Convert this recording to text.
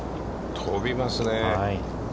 飛びますね。